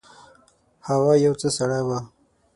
هوا یو څه سړه وه.